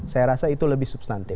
saya rasa itu lebih substantif